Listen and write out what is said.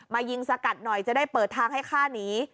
ยิงสกัดหน่อยจะได้เปิดทางให้ฆ่าหนี